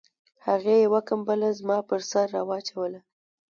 هغې یوه کمپله زما په سر را واچوله